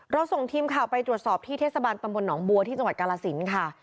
ส่งทีมข่าวไปตรวจสอบที่เทศบาลตำบลหนองบัวที่จังหวัดกาลสินค่ะ